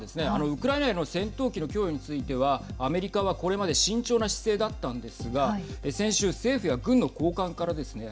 ウクライナへの戦闘機の供与についてはアメリカはこれまで慎重な姿勢だったんですが先週、政府や軍の高官からですね